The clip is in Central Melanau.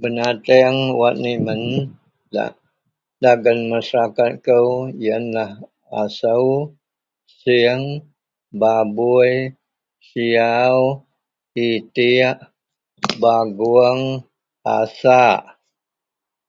benateng wak nimen gak dagen Masyarakat kou ienlah asou, sieang, babui, siyaw itik bagoong, asak